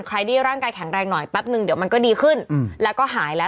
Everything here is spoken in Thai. ใครที่ร่างกายแข็งแรงหน่อยแป๊บนึงเดี๋ยวมันก็ดีขึ้นแล้วก็หายแล้ว